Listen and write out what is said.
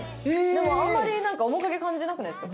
でもあんまりなんか面影感じなくないですか？